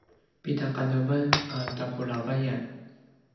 pida qadawan a tapulavayan?